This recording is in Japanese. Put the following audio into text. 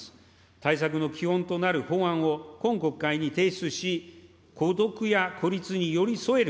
対策の基本となる法案を今国会に提出し、孤独や孤立に寄り添える